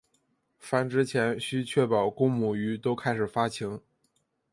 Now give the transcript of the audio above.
繁殖前须确保公母鱼都开始发情。